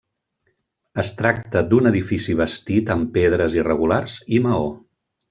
Es tracta d'un edifici bastit amb pedres irregulars i maó.